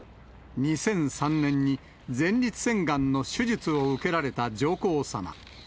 ２００３年に、前立腺がんの手術を受けられた上皇さま。